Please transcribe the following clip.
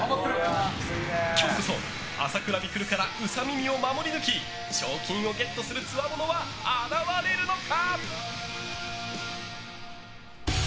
今日こそ朝倉未来からウサ耳を守り抜き賞金をゲットするつわものは現れるのか？